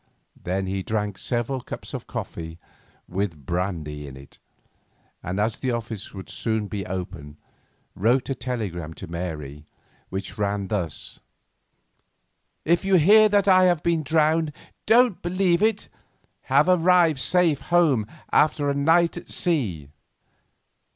Then he drank several cups of coffee with brandy in it, and as the office would soon be open, wrote a telegram to Mary, which ran thus: "If you hear that I have been drowned, don't believe it. Have arrived safe home after a night at sea."